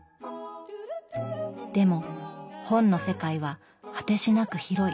でも本の世界は果てしなく広い。